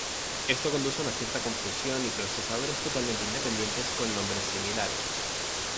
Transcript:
Esto conduce a una cierta confusión y procesadores totalmente independientes con nombres similares.